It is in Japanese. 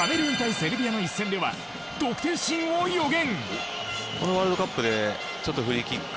セルビアの一戦では得点シーンを予言。